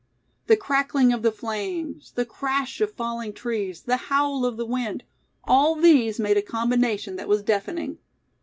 The crackling of the flames, the crash of falling trees, the howl of the wind, all these made a combination that was deafening.